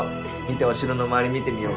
お城の周り見てみようか。